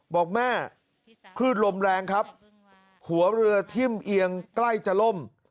บอกแม่คลื่นลมแรงครับหัวเรือทิ่มเอียงใกล้จะล่ม